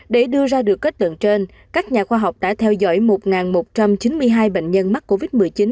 để đưa ra được kết tượng trên các nhà khoa học đã theo dõi một một trăm chín mươi hai bệnh nhân mắc covid một mươi chín